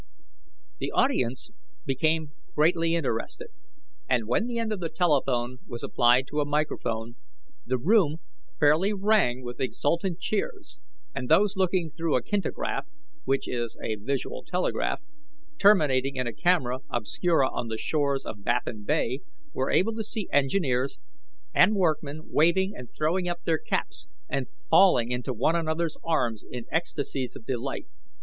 '" The audience became greatly interested, and when the end of the telephone was applied to a microphone the room fairly rang with exultant cheers, and those looking through a kintograph (visual telegraph) terminating in a camera obscura on the shores of Baffin Bay were able to see engineers and workmen waving and throwing up their caps and falling into one another's arms in ecstasies of delight.